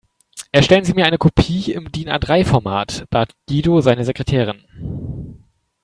"Erstellen Sie mir eine Kopie im DIN-A-drei Format", bat Guido seine Sekretärin.